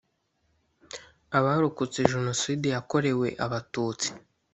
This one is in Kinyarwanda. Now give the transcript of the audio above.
Abarokotse jenoside yakorewe abatutsi